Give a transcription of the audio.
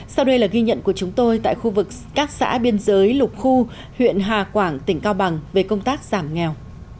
sau đây là ghi nhận của chúng tôi tại khu vực các xã biên giới lục khu huyện hà quảng tỉnh cao bằng về công tác giảm nghèo